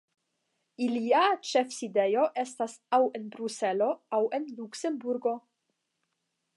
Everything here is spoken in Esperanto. Ilia ĉefsidejo estas aŭ en Bruselo aŭ en Luksemburgo.